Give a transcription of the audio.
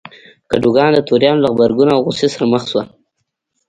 کادوګان د توریانو له غبرګون او غوسې سره مخ شو.